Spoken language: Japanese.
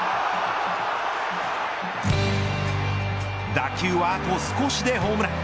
打球はあと少しでホームラン。